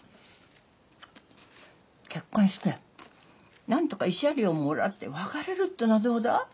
結婚してなんとか慰謝料もらって別れるっていうのはどうだ？